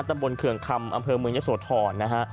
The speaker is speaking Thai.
ตำบลเคืองคำอำเภอเมืองยะโสธรนะฮะ